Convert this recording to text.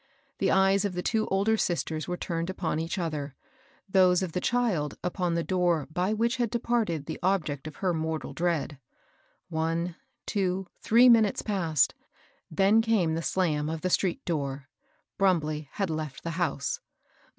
The eyes of the two older sisters were tamed upon each other, those of the child upon the door by which had de parted the object oi her mortal dread. One, two, three minutes passed ; then came the slam of the street door. Brumbley had left the house..